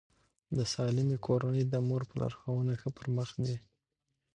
د سالمې کورنۍ د مور په لارښوونه ښه پرمخ ځي.